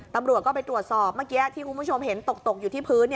ตำรวจก็ไปตรวจสอบเมื่อกี้ที่คุณผู้ชมเห็นตกอยู่ที่พื้น